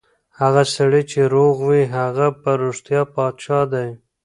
هغه سړی چې روغ وي، هغه په رښتیا پادشاه دی.